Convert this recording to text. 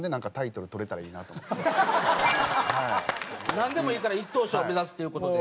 なんでもいいから１等賞を目指すっていう事で。